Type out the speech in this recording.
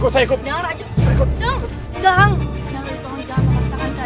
tolong jangan jangan jangan jangan